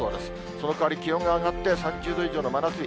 その代わり気温が上がって、３０度以上の真夏日。